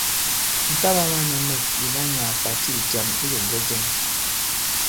Ŋ̀ taɓā mānɛ̄nɛ̂k ìnà nyàà pàti ì jàm i ilōŋgɛ jɛŋ.